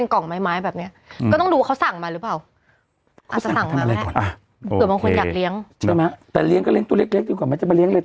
ก็จะเคี่ยวให้ฝั่ง